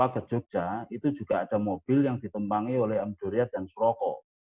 ke jogja itu juga ada mobil yang ditempangi oleh amduriat dan suroko